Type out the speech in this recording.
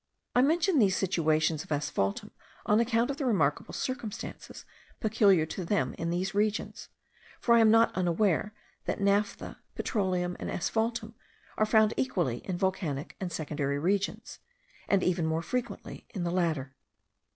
I mention these situations of asphaltum on account of the remarkable circumstances peculiar to them in these regions; for I am not unaware that naphtha, petroleum, and asphaltum are found equally in volcanic and secondary regions,* and even more frequently in the latter.